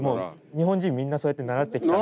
日本人みんなそうやって習ってきたので。